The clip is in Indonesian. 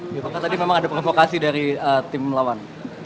apakah tadi memang ada provokasi dari tim lawan